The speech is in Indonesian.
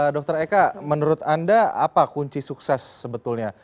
dr eka menurut anda apa kunci sukses sebetulnya